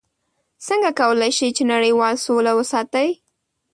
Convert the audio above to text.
څنګه کولی شي چې نړیواله سوله وساتي؟